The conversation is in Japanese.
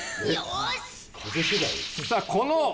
さあこの。